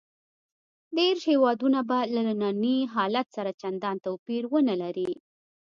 دېرش هېوادونه به له ننني حالت سره چندان توپیر ونه لري.